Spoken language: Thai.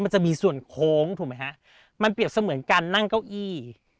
มันจะมีส่วนโค้งถูกไหมฮะมันเปรียบเสมือนการนั่งเก้าอี้